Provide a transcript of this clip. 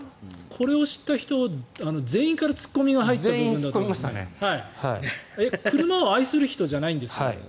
これを知っている人全員から突っ込みが入ったんだと思うんですが車を愛する人じゃないんですかと。